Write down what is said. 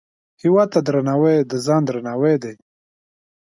هیواد ته درناوی، د ځان درناوی دی